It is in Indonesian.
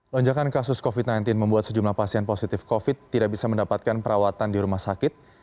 lonjakan kasus covid sembilan belas membuat sejumlah pasien positif covid tidak bisa mendapatkan perawatan di rumah sakit